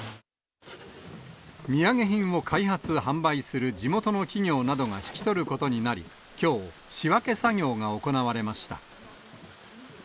土産品を開発・販売する地元の企業などが引き取ることになり、きょう、仕分け作業が行われました。